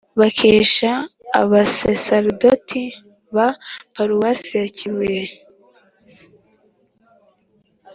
bakesha abasaserdoti ba paruwasi ya kibuye.